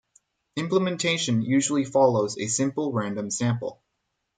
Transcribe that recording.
Implementation usually follows a simple random sample.